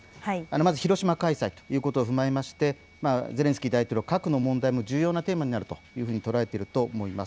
まず広島開催ということを踏まえましてゼレンスキー大統領、核の問題も重要なテーマになるというふうに捉えていると思います。